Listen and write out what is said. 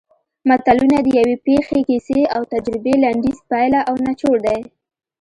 متلونه د یوې پېښې کیسې او تجربې لنډیز پایله او نچوړ دی